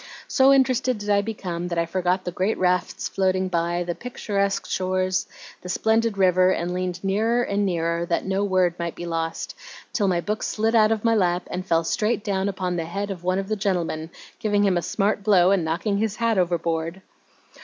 So interested did I become that I forgot the great rafts floating by, the picturesque shores, the splendid river, and leaned nearer and nearer that no word might be lost, till my book slid out of my lap and fell straight down upon the head of one of the gentlemen, giving him a smart blow, and knocking his hat overboard."